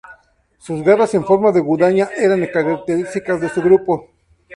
Sus garras en forma de guadaña eran características de su grupo.